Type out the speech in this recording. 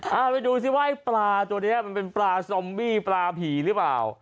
เอาไปดูสิว่าไอ้ปลาตัวนี้มันเป็นปลาซอมบี้ปลาผีหรือเปล่า